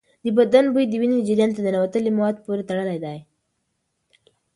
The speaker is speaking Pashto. د بدن بوی د وینې جریان ته ننوتلي مواد پورې تړلی دی.